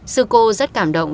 sư cô rất cảm động